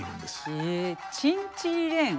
へえ「チンチリレン」。